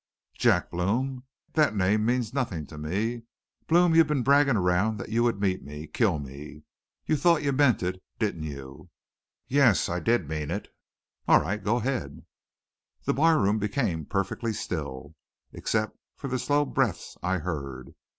"'Jack Blome! That name means nothin' to me. Blome, you've been braggin' around that you'd meet me kill me! You thought you meant it, didn't you?' "'Yes I did mean it.' "'All right. Go ahead!' "The barroom became perfectly still, except for the slow breaths I heard.